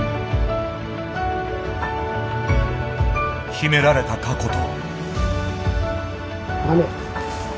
秘められた過去と。